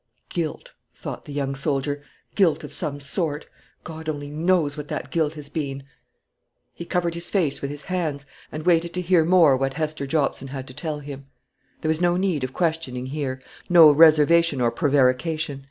"Guilt," thought the young soldier; "guilt of some sort. God only knows what that guilt has been!" He covered his face with his hands, and waited to hear what more Hester Jobson had to tell him. There was no need of questioning here no reservation or prevarication.